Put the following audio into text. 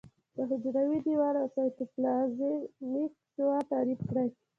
د حجروي دیوال او سایتوپلازمیک غشا تعریف کړي.